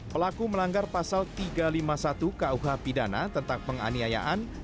pelaku melanggar pasal tiga ratus lima puluh satu kuh pidana tentang penganiayaan